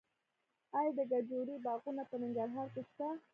آیا د کجورې باغونه په ننګرهار کې شته؟